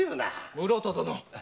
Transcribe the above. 室戸殿！